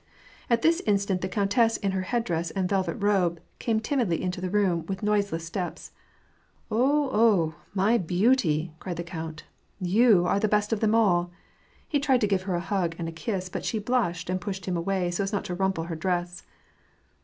At this instant, the countess, in her headdress and velvet robe, came timidly into the room, with noiseless steps. " Oo ! Go ! my beauty !" cried the count. " You are the best of them all !" He tried to give her a hug and a kiss, but she blushed and pushed him away, so as not to rumple her dress.